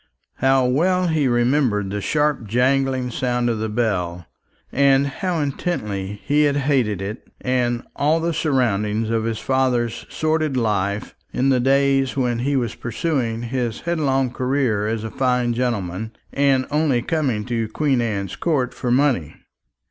How well he remembered the sharp jangling sound of the bell! and how intensely he had hated it and all the surroundings of his father's sordid life in the days when he was pursuing his headlong career as a fine gentleman, and only coming to Queen Anne's Court for money!